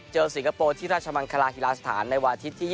สิงคโปร์ที่ราชมังคลาฮิลาสถานในวันอาทิตย์ที่๒